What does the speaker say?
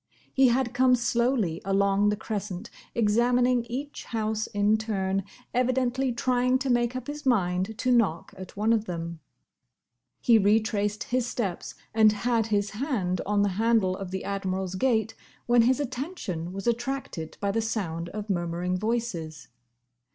He had come slowly along the crescent, examining each house in turn, evidently trying to make up his mind to knock at one of them. He retraced his steps and had his hand on the handle of the Admiral's gate, when his attention was attracted by the sound of murmuring voices.